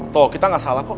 tuh kita gak salah kok